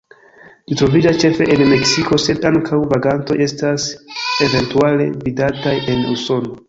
Ĝi troviĝas ĉefe en Meksiko, sed ankaŭ vagantoj estas eventuale vidataj en Usono.